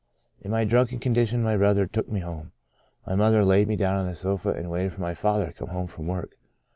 " In my drunken condition my brother took me home. My mother laid me down on the sofa, and waited for my father to come home from work.